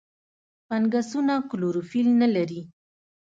فنګسونه کلوروفیل نه لري.